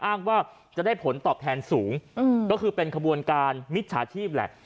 อ้างว่าจะได้ผลตอบแทนสูงก็คือเป็นขบวนการมิจฉาชีพแหละ